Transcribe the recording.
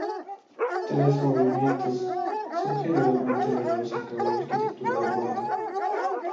Tales movimientos son generalmente llevados a cabo en la arquitectura urbana.